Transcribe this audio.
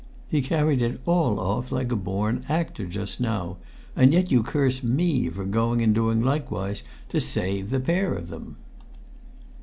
He carried it all off like a born actor just now, and yet you curse me for going and doing likewise to save the pair of them!"